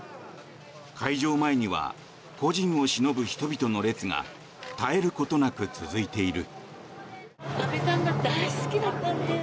会場前には故人をしのぶ人々の列が絶えることなく続いている。